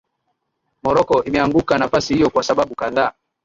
Morocco imeanguka nafasi hiyo kwa sababu kadhaa